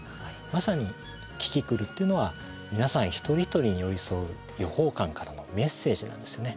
まさにキキクルっていうのは皆さん一人一人に寄り添う予報官からのメッセージなんですね。